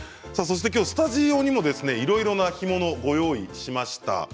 スタジオにもいろいろな干物をご用意しました。